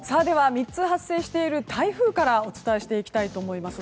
３つ発生している台風からお伝えしていきます。